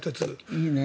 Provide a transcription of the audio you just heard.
いいね。